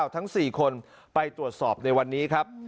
ทั้ง๔คนไปตรวจสอบในวันนี้ครับ